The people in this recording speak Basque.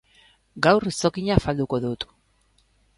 Gaur, izokina afalduko dut